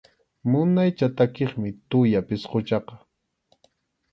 Munaycha takiqmi tuya pisquchaqa.